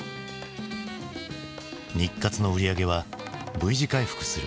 日活の売り上げはＶ字回復する。